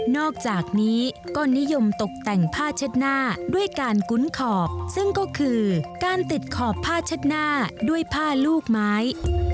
อกจากนี้ก็นิยมตกแต่งผ้าเช็ดหน้าด้วยการกุ้นขอบซึ่งก็คือการติดขอบผ้าเช็ดหน้าด้วยผ้าลูกไม้